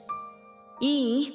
いい？